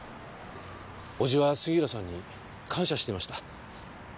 叔父は杉浦さんに感謝してました。